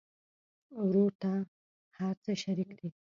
ورور ته هر څه شريک دي.